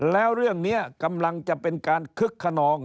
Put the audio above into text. แล้วเรื่องนี้กำลังจะเป็นการคึกขนอง